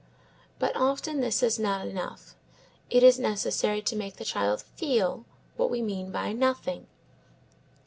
But often this is not enough. It is necessary to make the child feel what we mean by nothing.